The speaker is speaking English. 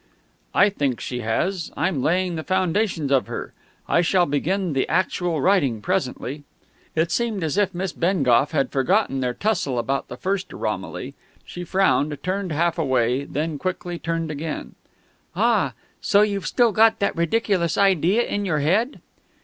"I think she has. I'm laying the foundations of her. I shall begin the actual writing presently." It seemed as if Miss Bengough had forgotten their tussle about the first Romilly. She frowned, turned half away, and then quickly turned again. "Ah!... So you've still got that ridiculous idea in your head?"